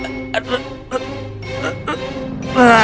aku melakukan ini untukmu bangsawanku